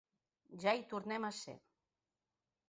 Ja hi tornem a ser.